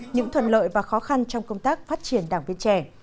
những thuận lợi và khó khăn trong công tác phát triển đảng viên trẻ